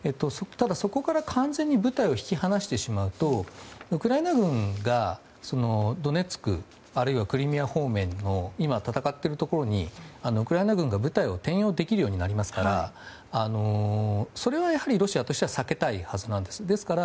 ただ、そこから完全に部隊を引き離してしまうとウクライナ軍がドネツクあるいはクリミア方面の今戦っているところにウクライナ軍が部隊を転用できるようになりますからそれはやはり、ロシアとしては避けたいはずなんです。